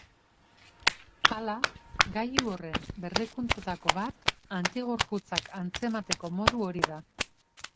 Hala, gailu horren berrikuntzetako bat antigorputzak antzemateko modu hori da.